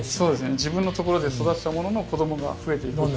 自分のところで育てたものの子供がふえていくっていう。